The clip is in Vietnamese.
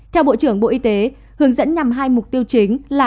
theo bộ trưởng bộ y tế hướng dẫn nhằm hai mục tiêu chính là